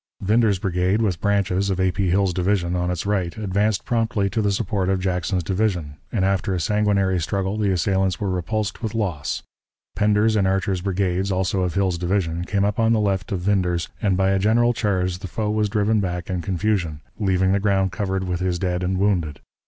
Winder's brigade, with Branch's, of A. P. Hill's division, on its right, advanced promptly to the support of Jackson's division, and after a sanguinary struggle the assailants were repulsed with loss. Pender's and Archer's brigades, also of Hill's division, came up on the left of Winder's, and by a general charge the foe was driven back in confusion, leaving the ground covered with his dead and wounded.